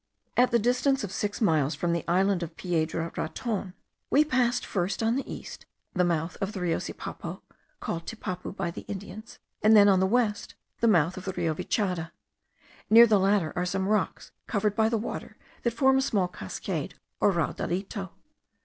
At the distance of six miles from the island of Piedra Raton we passed, first, on the east, the mouth of the Rio Sipapo, called Tipapu by the Indians; and then, on the west, the mouth of the Rio Vichada. Near the latter are some rocks covered by the water, that form a small cascade or raudalito.